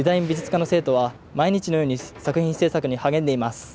美術科の生徒は毎日のように作品制作に励んでいます。